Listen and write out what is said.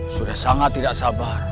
sudah sangat tidak sabar